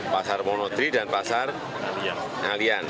pasar monodri dan pasar ngalian